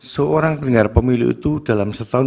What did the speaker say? seorang pendengar pemilu itu dalam setahun